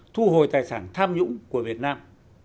thu hồi tài sản tham nhũng của việt nam